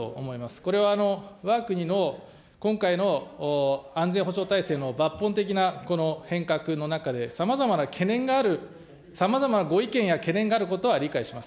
これはわが国の今回の安全保障体制の抜本的なこの変革の中で、さまざまな懸念がある、さまざまなご意見や懸念があることは理解します。